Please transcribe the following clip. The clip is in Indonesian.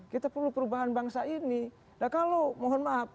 kita perlu perubahan bangsa ini nah kalau mohon maaf